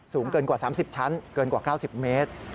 สูงเกินกว่า๓๐ชั้นเกินกว่า๙๐เมตร